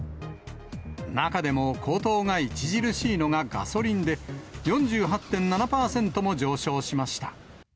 中でも高騰が著しいのがガソリンで、４８．７％も上昇しました。